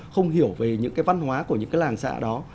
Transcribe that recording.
không hiểu về những văn hóa của những làng xã đó